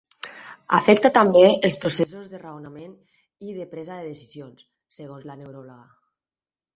Afecta també els processos de raonament i de presa de decisions, segons la neuròloga.